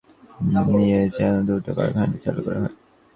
এটিকে গুরুত্বের সঙ্গে বিবেচনায় নিয়ে যেন দ্রুত কারখানাটি চালু করা হয়।